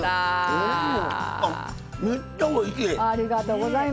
めっちゃおいしい。